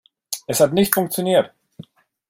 Es hat nicht funktioniert!